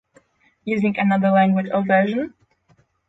Using another language or version?